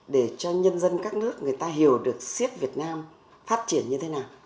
để cho nhân dân các nước người ta hiểu được xiết việt nam phát triển như thế nào